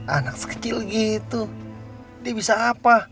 anak kecil gitu dia bisa apa